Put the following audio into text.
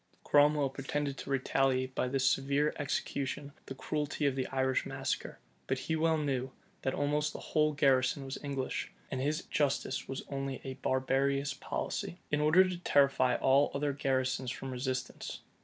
Cromwell pretended to retaliate by this severe execution the cruelty of the Irish massacre: but he well knew, that almost the whole garrison was English; and his justice was only a barbarous policy, in order to terrify all other garrisons from resistance.